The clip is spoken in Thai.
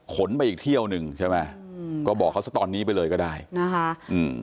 ไปอีกเที่ยวหนึ่งใช่ไหมอืมก็บอกเขาสักตอนนี้ไปเลยก็ได้นะคะอืม